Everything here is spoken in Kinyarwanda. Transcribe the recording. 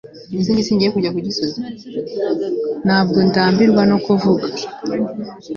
ntabwo ndambirwa no kuvuga